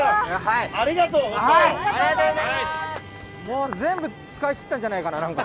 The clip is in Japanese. もう全部使い切ったんじゃないかな。